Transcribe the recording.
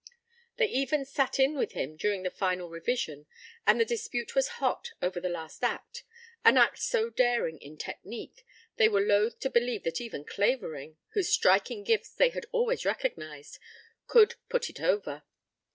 They even "sat in" with him during the final revision, and the dispute was hot over the last act, an act so daring in technique they were loath to believe that even Clavering, whose striking gifts they had always recognized, could "put it over."